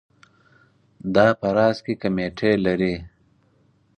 دا په راس کې کمیټې لري.